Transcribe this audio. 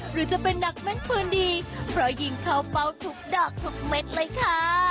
หรือจะเป็นนักแม่นปืนดีเพราะยิงเข้าเป้าทุกดอกทุกเม็ดเลยค่ะ